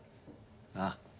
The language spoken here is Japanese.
ああ。